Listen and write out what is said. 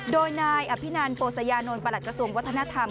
โดยนายอภินันโปสยานนท์ประหลัดกระทรวงวัฒนธรรม